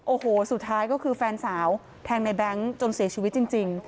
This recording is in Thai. โอ้โหสุดท้ายก็คือแฟนสาวแทงในแบงค์จนเสียชีวิตจริง